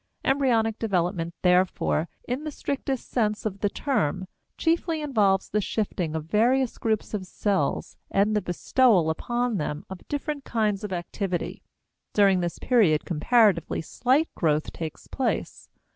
Embryonic development, therefore, in the strictest sense of the term, chiefly involves the shifting of various groups of cells and the bestowal upon them of different kinds of activity. During this period comparatively slight growth takes place.